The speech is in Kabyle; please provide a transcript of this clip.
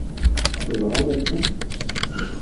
Tebɣam ad teččemt?